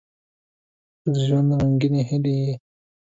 • ته د ژوند رنګینې هیلې یې.